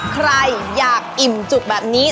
ใครอยากอิ่มจุกแบบนี้